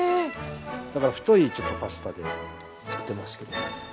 だから太いちょっとパスタでつくってますけど。